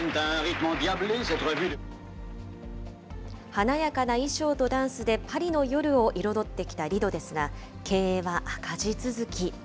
華やかな衣装とダンスでパリの夜を彩ってきたリドですが、経営は赤字続き。